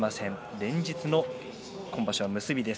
連日の今場所の結びです。